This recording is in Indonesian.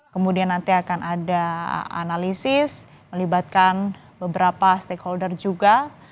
kemudian nanti akan ada analisis melibatkan beberapa stakeholder juga